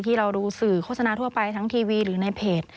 ที่เราดูสื่อโฆษณาทั่วไปทั้งทีวีหรือในเพจ